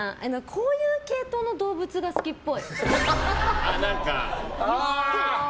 こういう系統の動物が好きっぽい。